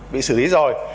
bị xử lý rồi